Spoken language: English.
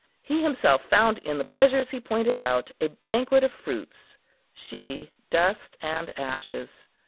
He himself found in the pleasures he pointed out a banquet of fruits:—she dust and ashes.